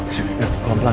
pelan pelan pelan